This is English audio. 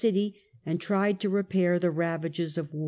city, and tried to repair the ravages of war.